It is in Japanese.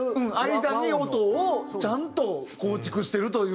間に音をちゃんと構築してるという。